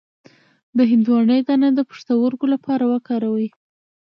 د هندواڼې دانه د پښتورګو لپاره وکاروئ